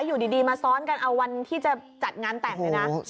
อยู่ดีมาซ้อนกันเอาวันที่จะจัดงานแต่งเลยนะ